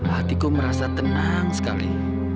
hatiku merasa tenang sekali